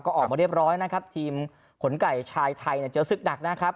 ก็ออกมาเรียบร้อยนะครับทีมขนไก่ชายไทยเนี่ยเจอศึกหนักนะครับ